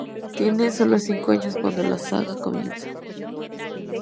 Tiene sólo cinco años cuando la saga comienza.